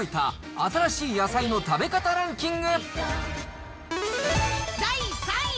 新しい野菜の食べ方ランキング。